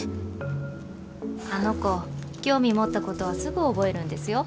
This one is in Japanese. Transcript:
あの子興味持ったことはすぐ覚えるんですよ。